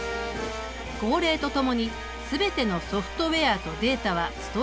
号令とともに全てのソフトウェアとデータはストレージへ。